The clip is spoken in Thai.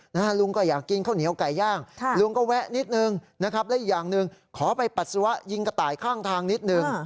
ลุงก็อยากกินข้าวเหนียวไก่ย่างลุงก็แวะนิดนึงนะครับและอีกอย่างหนึ่งขอไปปัสสาวะยิงกระต่ายข้างทางนิดนึง